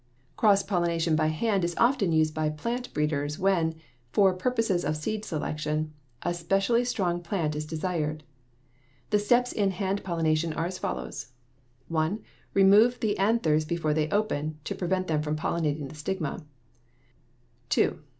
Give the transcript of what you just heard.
Cross pollination by hand is often used by plant breeders when, for purposes of seed selection, a specially strong plant is desired. The steps in hand pollination are as follows: (1) remove the anthers before they open, to prevent them from pollinating the stigma (the steps in this process are illustrated in Figs.